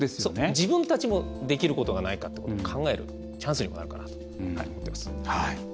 自分たちもできることはないかと考えるチャンスにもなるかなと思ってます。